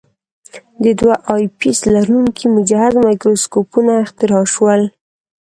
د دوه آی پیس لرونکي مجهز مایکروسکوپونه اختراع شول.